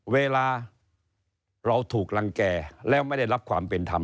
เวลาเราถูกรังแก่แล้วไม่ได้รับความเป็นธรรม